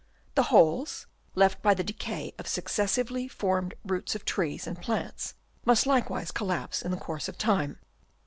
The holes left by the decay of succes sively formed roots of trees and plants must likewise collapse in the course of time.